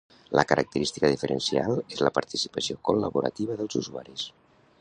La característica diferencial és la participació col·laborativa dels usuaris.